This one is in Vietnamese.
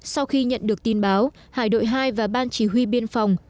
sau khi nhận được tin báo hải đội hai và ban chỉ huy biên phòng